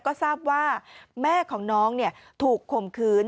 ก็ทราบว่าแม่ของน้องถูกข่มขืน